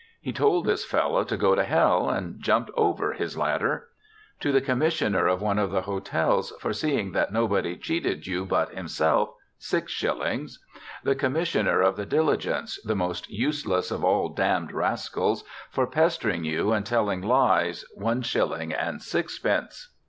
He told this fellow to go to hell, and jumped over his ladder. * To the commissioner of one of the hotels, for seeing that nobody cheated you but himself, six shillings.' 'The commissioner of the diligence, the most useless of all damned rascals, for pestering you and telling lies, one shilling and sixpence.'